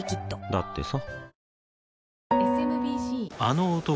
だってさ